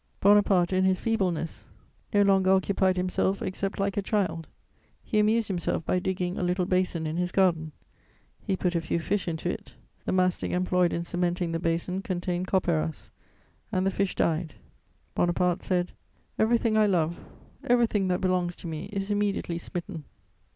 Bonaparte, in his feebleness, no longer occupied himself except like a child: he amused himself by digging a little basin in his garden; he put a few fish into it: the mastick employed in cementing the basin contained copperas, and the fish died. Bonaparte said: "Everything I love, everything that belongs to me is immediately smitten."